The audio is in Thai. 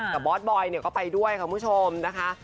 กับบอสบอยก็ไปด้วยค่ะคุณผู้ชมนะคะ